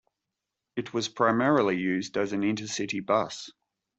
It was primarily used as an intercity bus.